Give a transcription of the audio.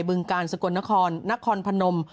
ึงกาลสกลนครนครพนม